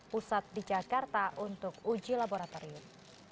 pusat di jakarta untuk uji laboratorium